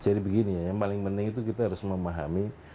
jadi begini ya yang paling penting itu kita harus memahami